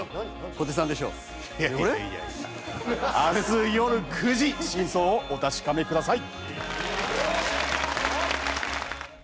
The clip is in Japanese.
明日よる９時真相をお確かめください。